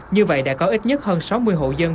như vậy đã có ít nhất hơn sáu mươi hộ dân